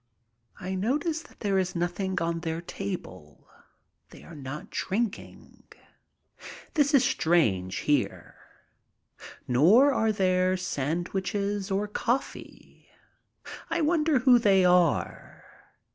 I notice that there is nothing on their table. They are not drinking. This is strange, here. Nor are there sand wiches or coffee. I wonder who they are.